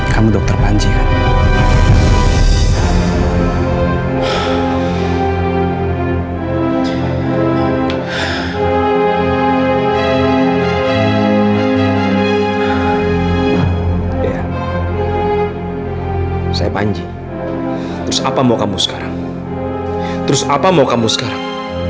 saya panji terus apa mau kamu sekarang terus apa mau kamu sekarang